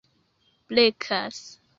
blekas